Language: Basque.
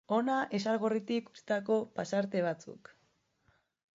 Hona Izargorrik utzitako pasarte batzuk.